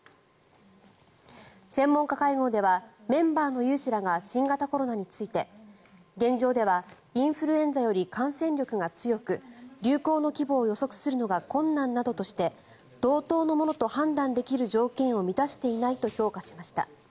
専門家会合ではメンバーの有志らが新型コロナについて現状ではインフルエンザより感染力が強く流行の規模を予測するのが困難などとして同等のものと判断できる条件を満たしていないと評価しました。